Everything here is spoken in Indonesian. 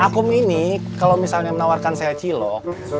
akum ini kalau misalnya menawarkan saya cilok